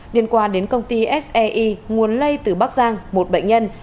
liên quan đến công ty sei nguồn lây từ bắc giang một bệnh nhân